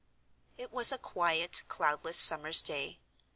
It was a quiet, cloudless summer's day.